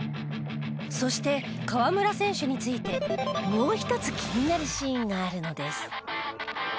そして河村選手についてもう一つ気になるシーンがあるのです。